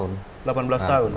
sudah delapan belas tahun